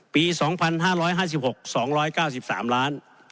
ปี๒๕๕๖๒๙๓ล้าน